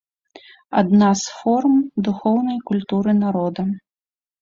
Адна з форм духоўнай культуры народа.